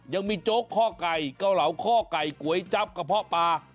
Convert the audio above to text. โจ๊กข้อไก่เกาเหลาข้อไก่ก๋วยจับกระเพาะปลา